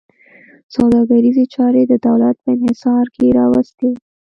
سوداګریزې چارې د دولت په انحصار کې راوستې وې.